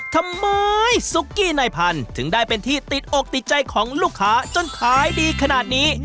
ทำไมซุกกี้นายพันธุ์ถึงได้เป็นที่ติดอกติดใจของลูกค้าจนขายดีขนาดนี้